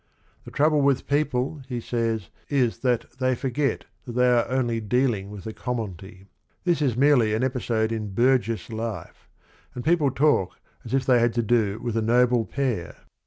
The trouble with people, he says, is that they forget that they are only dealing with the "commonalty." This is merely an "episode in burgess life," and people talk as if they had to do with "a noble pair."